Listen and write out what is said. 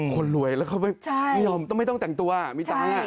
คนรวยแล้วเขาไม่ต้องแต่งตัวมีตัว